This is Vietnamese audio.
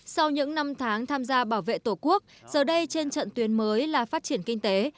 sau những năm tháng tham gia bảo vệ tổ quốc giờ đây trên trận tuyến mới là phát triển kinh tế